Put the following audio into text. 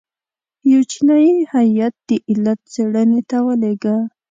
یو چینایي هیات د علت څېړنې ته ولېږه.